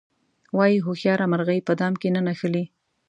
وایي هوښیاره مرغۍ په دام کې نه نښلي.